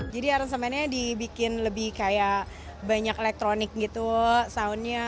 jadi aransemennya dibikin lebih kayak banyak elektronik gitu soundnya